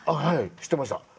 はい知ってました。